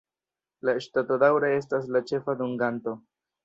La ŝtato daŭre estas la ĉefa dunganto.